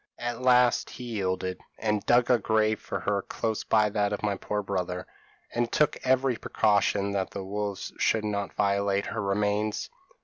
At last he yielded, and dug a grave for her close by that of my poor brother, and took every precaution that the wolves should not violate her remains.